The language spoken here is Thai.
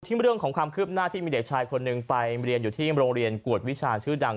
เรื่องของความคืบหน้าที่มีเด็กชายคนหนึ่งไปเรียนอยู่ที่โรงเรียนกวดวิชาชื่อดัง